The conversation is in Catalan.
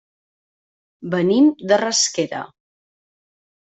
Venim de Rasquera.